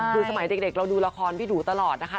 คือสมัยเด็กเราดูละครพี่หนูตลอดนะคะ